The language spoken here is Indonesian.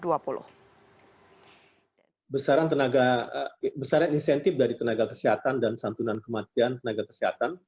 kami berharap besar insentif dari tenaga kesehatan dan santunan kematian tenaga kesehatan